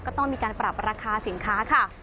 ก็ต้องมีการปรับราคาสินค้าค่ะ